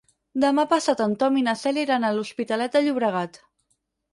Demà passat en Tom i na Cèlia iran a l'Hospitalet de Llobregat.